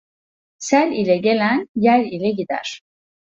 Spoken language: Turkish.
Sel ile gelen yel ile gider.